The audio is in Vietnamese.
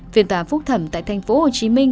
phiên tòa phúc thẩm tại thành phố hồ chí minh